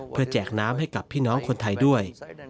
เพื่อแจกน้ำให้กับพี่น้องคนไทยด้วย